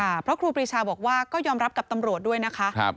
เพราะครูปรีชาบอกว่าก็ยอมรับกับตำรวจด้วยนะคะครับ